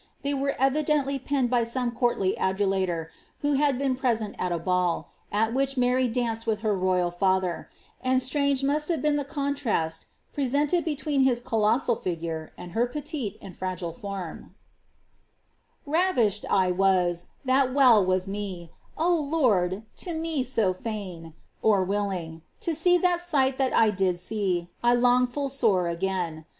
They were evi dently penned by some courtly adulator, who had been present at a ball, at which Mary danced with her royal father ; and strange must have been the contrast presented between his colossal figure, and her petUe and fragile form :— ■Ravished I was, that well was me, 0 Lord, to me so fain (willing), To see that sight that I did see 1 long full sore again.